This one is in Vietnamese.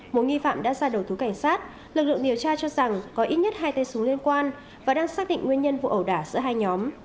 một nghi phạm đã ra đầu thú cảnh sát lực lượng điều tra cho rằng có ít nhất hai tay súng liên quan và đang xác định nguyên nhân vụ ẩu đả giữa hai nhóm